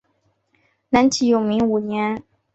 南齐永明五年。